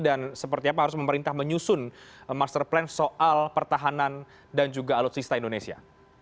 seperti apa harus pemerintah menyusun master plan soal pertahanan dan juga alutsista indonesia